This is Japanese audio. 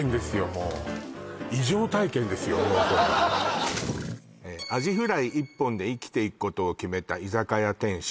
もうこれアジフライ一本で生きていくことを決めた居酒屋店主